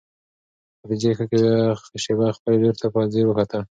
خدیجې ښه شېبه خپلې لور ته په ځیر وکتل.